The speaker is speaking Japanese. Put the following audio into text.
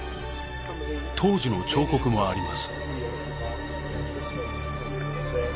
当時の彫刻もあります